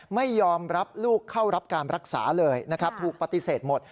ไม่ยอมรับลูกเข้ารับการรักษาเลยนะครับถูกปฏิเสธหมด